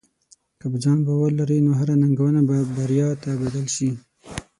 که په ځان باور لرې، نو هره ننګونه به بریا ته بدل شې.